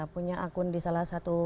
punya akun di salah satu